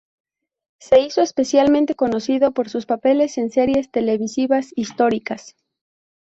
Se hizo especialmente conocido por sus papeles en series televisivas históricas.